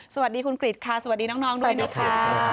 สวัสดีคุณกริจค่ะสวัสดีน้องด้วยนะคะ